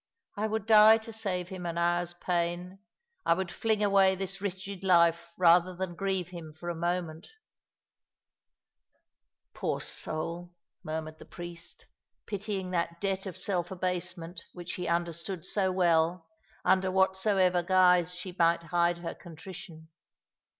" I would die to save him an hour's pain. I would fling away this wretched life rather than grieve him for a moment." 26o All along the River, " Poor soul !" murmured the priest, pitying that debt of self abasement which he understood so well, under whatso ever guise she might hide her contrition.